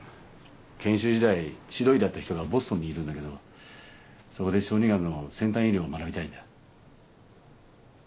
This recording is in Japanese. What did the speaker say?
研修医時代指導医だった人がボストンにいるんだけどそこで小児がんの先端医療を学びたいんだ。